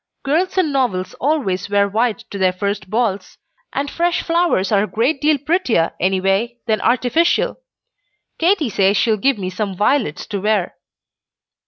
Girls in novels always wear white to their first balls; and fresh flowers are a great deal prettier, any way, than artificial. Katy says she'll give me some violets to wear."